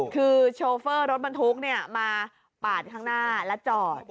คือโชเฟอร์รถบรรทุกมาปาดข้างหน้าและจอด